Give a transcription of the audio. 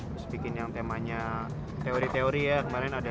terus bikin yang temanya teori teori ya kemarin ada